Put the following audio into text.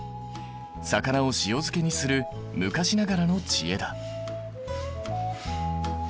魚を塩漬けにする昔ながらの知恵だ。